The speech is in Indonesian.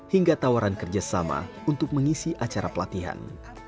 hingga tawaran kerja sama untuk mengisi acara pelatihan